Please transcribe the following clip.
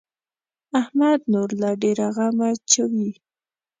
احمد نور له ډېره غمه چويي.